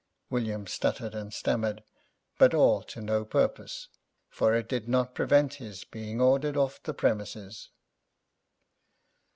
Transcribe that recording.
William stuttered and stammered, but all to no purpose, for it did not prevent his being ordered off the premises.